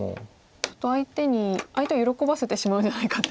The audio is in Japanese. ちょっと相手に相手を喜ばせてしまうんじゃないかって。